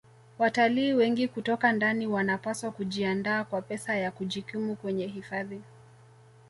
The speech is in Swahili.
Watalii wengi kutoka ndani wanapaswa kujiandaa kwa pesa ya kujikimu kwenye hifadhi